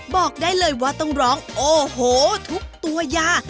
บอกได้เลยว่าต้องร้องโอ้โหทุกตัวยา